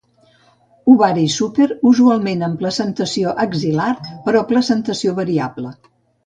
Ovari súper, usualment amb placentació axil·lar, però placentació variable.